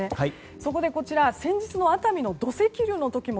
そこで先日の熱海の土石流の時も